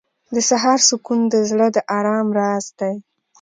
• د سهار سکون د زړه د آرام راز دی.